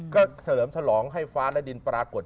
ก็เฉลิมฉลองให้ฟ้าและดินปรากฏ